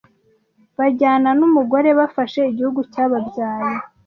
bajyana numugore bafashe igihugu cyababyaye